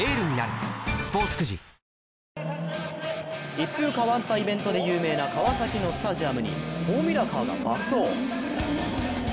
一風変わったイベントで有名な川崎のスタジアムにフォーミュラカーが爆走！